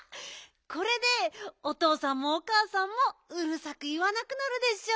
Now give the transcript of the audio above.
これでおとうさんもおかあさんもうるさくいわなくなるでしょ。